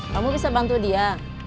kamu bisa bantu dia